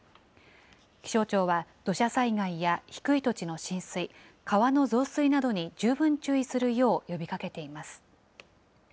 気象庁は、土砂災害や低い土地の浸水、川の増水などに十分注意するよう呼びかけています。